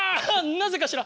なぜかしら？